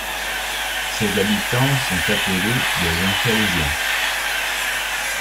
Ses habitants sont appelés les Juncalésiens.